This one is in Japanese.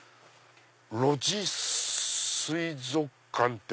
「路地水族館」って。